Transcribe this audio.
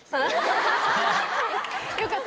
よかった。